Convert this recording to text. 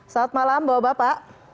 selamat malam bapak bapak